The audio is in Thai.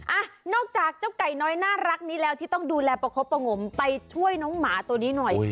อ่ะนอกจากเจ้าไก่น้อยน่ารักนี้แล้วที่ต้องดูแลประคบประงมไปช่วยน้องหมาตัวนี้หน่อย